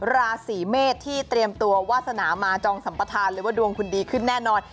ราศีเมษที่เตรียมตัววาสนามาจองสัมปทานเลยว่าดวงคุณดีขึ้นแน่นอน